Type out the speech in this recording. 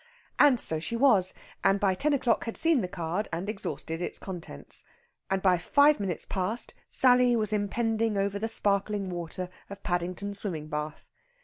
And so she was, and by ten o'clock had seen the card and exhausted its contents. And by five minutes past Sally was impending over the sparkling water of Paddington swimming bath.